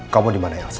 kau mau dimana elsa